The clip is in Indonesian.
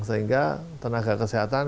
sehingga tenaga kesehatan